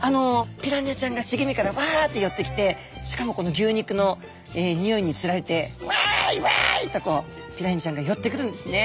ピラニアちゃんが茂みからわって寄ってきてしかもこの牛肉のにおいに釣られてわいわいとこうピラニアちゃんが寄ってくるんですね。